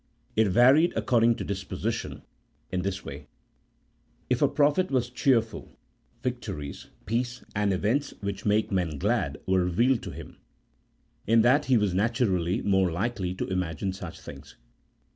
It varied according to disposition, in this way: if a prophet was cheerful, victories, peace, and events which make men glad, were revealed to him; in that he was naturally more likely to imagine such things.